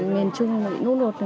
miền trung lúc lúc